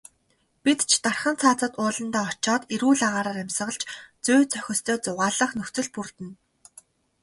Бид ч дархан цаазат ууландаа очоод эрүүл агаараар амьсгалж, зүй зохистой зугаалах нөхцөл бүрдэнэ.